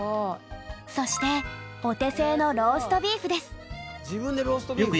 そしてお手製の自分でローストビーフ。